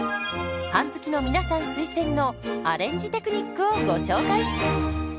パン好きの皆さん推薦のアレンジテクニックをご紹介。